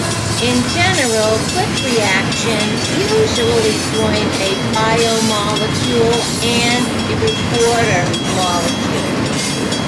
In general, click reactions usually join a biomolecule and a reporter molecule.